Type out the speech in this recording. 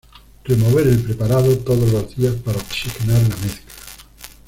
Remover el preparado todos los días, para oxigenar la mezcla.